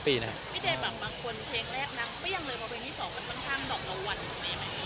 พี่เจมส์แบบบางคนเพลงแรกนั้นไม่ยังลืมว่าเพลงที่๒มันค่อนข้างดอกละวันหรือเปล่ายังไง